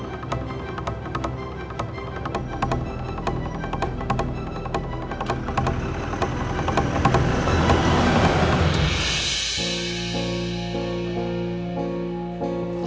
kamu pasti bisa pergi dari sini